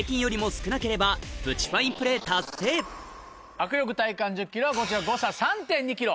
握力体感１０ｋｇはこちら誤差３．２ｋｇ。